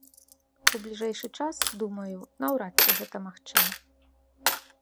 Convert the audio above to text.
У бліжэйшы час, думаю, наўрад ці гэта магчыма.